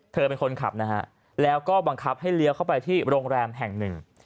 เป็นคนขับนะฮะแล้วก็บังคับให้เลี้ยวเข้าไปที่โรงแรมแห่งหนึ่ง